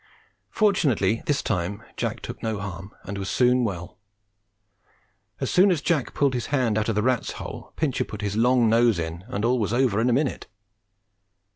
Fortunately this time Jack took no harm and was soon well. As soon as Jack pulled his hand out of the rat's hole, Pincher put his long nose in, and all was over in a minute.